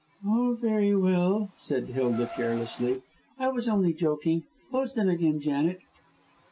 "Oh, very well," said Hilda, carelessly. "I was only joking. Close them again, Janet."